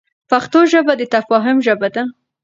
پښتو ژبه د تفاهم ژبه ده.